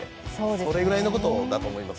それぐらいのことだと思います。